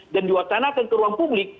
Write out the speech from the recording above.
dan uacanakan ke ruang publik